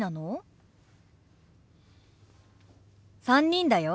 ３人だよ。